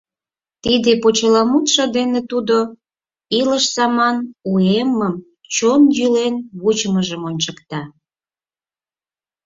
Тиде почеламутшо дене тудо илыш-саман уэммым чон йӱлен вучымыжым ончыкта: